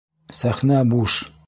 Сәхнә буш.